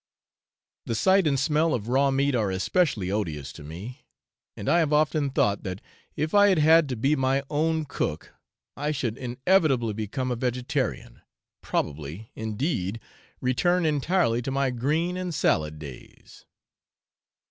The sight and smell of raw meat are especially odious to me, and I have often thought that if I had had to be my own cook, I should inevitably become a vegetarian, probably, indeed, return entirely to my green and salad days.